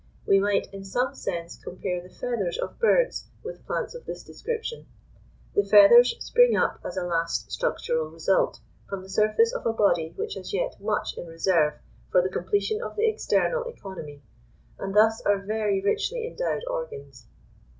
We might in some sense compare the feathers of birds with plants of this description; the feathers spring up as a last structural result from the surface of a body which has yet much in reserve for the completion of the external economy, and thus are very richly endowed organs.